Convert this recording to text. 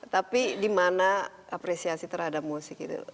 tapi dimana apresiasi terhadap musik itu